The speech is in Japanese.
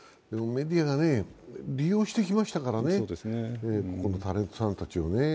そのメディアがね、利用してきましたかね、タレントさんたちをね。